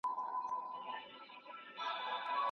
بدلون به تدريجي وي.